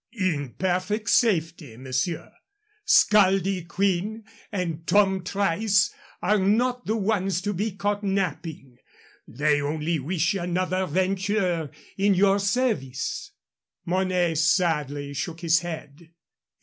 "In perfect safety, monsieur. 'Scaldy' Quinn and Tom Trice are not the ones to be caught napping. They only wish another venture in your service." Mornay sadly shook his head.